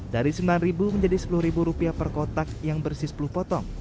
dari rp sembilan menjadi rp sepuluh per kotak yang bersih sepuluh potong